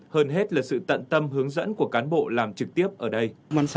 hơn hết là sự tận tâm hướng dẫn của cán bộ làm trực tiếp ở đây